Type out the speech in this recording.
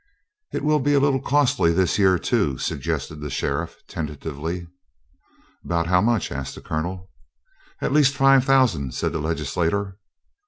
"It will be a little costly this year, too," suggested the sheriff, tentatively. "About how much?" asked the Colonel. "At least five thousand," said the Legislator.